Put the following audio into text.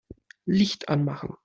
Licht anmachen.